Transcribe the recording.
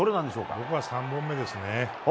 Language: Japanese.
僕は３本目ですね。